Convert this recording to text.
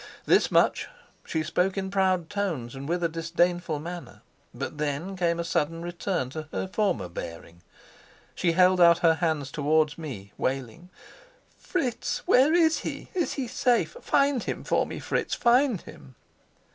This much she spoke in proud tones and with a disdainful manner, but then came a sudden return to her former bearing. She held out her hands towards me, wailing: "Fritz, where is he? Is he safe? Find him for me, Fritz; find him."